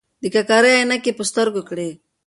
د ککرۍ عینکې یې په سترګو کړې.